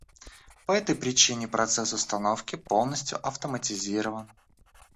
По этой причине процесс установки полностью автоматизирован